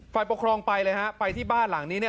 ฝ่ายปกครองไปเลยฮะไปที่บ้านหลังนี้เนี่ย